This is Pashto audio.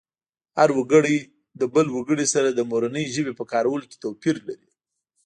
هر وګړی له بل وګړي سره د مورنۍ ژبې په کارولو کې توپیر لري